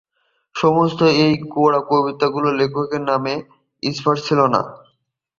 সম্ভবত এই গোঁড়া কবিতাগুলোর লেখকের নাম ইস্হাক ছিল না।